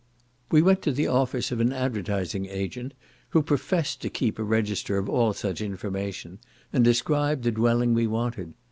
We went to the office of an advertising agent, who professed to keep a register of all such information, and described the dwelling we wanted.